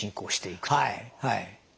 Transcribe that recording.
はいはい。